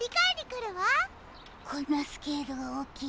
こんなスケールがおおきい